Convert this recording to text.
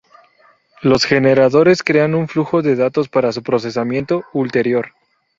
Los generadores crean un flujo de datos para su procesamiento ulterior.